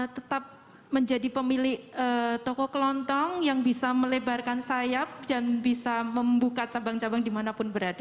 tetap menjadi pemilik toko kelontong yang bisa melebarkan sayap dan bisa membuka cabang cabang dimanapun berada